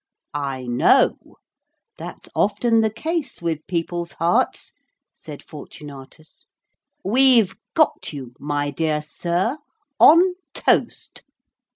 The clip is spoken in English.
'I know. That's often the case with people's hearts,' said Fortunatus. 'We've got you, my dear sir, on toast.